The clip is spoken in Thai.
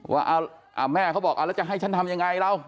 ว่าแม่เขาบอกแล้วจะให้ฉันทำยังไงเรา